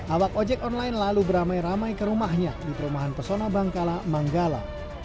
awak ojek online lalu beramai ramai ke rumahnya di perumahan pesona bangkala manggala